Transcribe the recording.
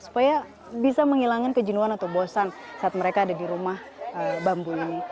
supaya bisa menghilangkan kejenuhan atau bosan saat mereka ada di rumah bambu ini